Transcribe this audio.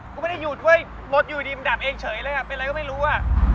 ก็ไม่ได้หยุดเว้ยรถอยู่ดีมันดับเองเฉยเลยอ่ะเป็นอะไรก็ไม่รู้อ่ะ